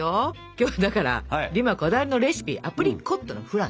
今日はだからデュマこだわりのレシピアプリコットのフランね。